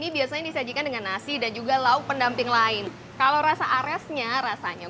biasanya disajikan dengan nasi dan juga lauk pendamping lain kalau rasa aresnya rasanya